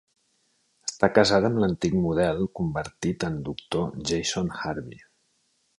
Està casada amb l'antic model convertit en doctor Jason Harvey.